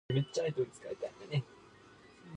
Its roots are a complex tangle.